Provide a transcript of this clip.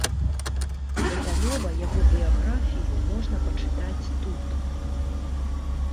Дэталёва яго біяграфію можна пачытаць тут.